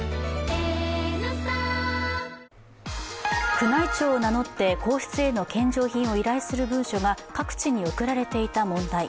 宮内庁を名乗って皇室への献上品を依頼する文書が各地に送られていた問題。